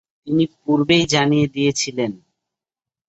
তিনি পূর্বেই জানিয়ে দিয়েছিলেন।